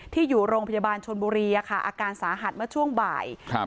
ที่อยู่โรงพยาบาลชนบุรีอาการสาหัสมาช่วงบ่าย